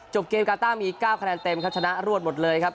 เกมกาต้ามี๙คะแนนเต็มครับชนะรวดหมดเลยครับ